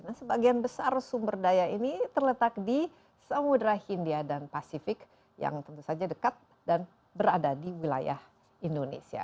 nah sebagian besar sumber daya ini terletak di samudera hindia dan pasifik yang tentu saja dekat dan berada di wilayah indonesia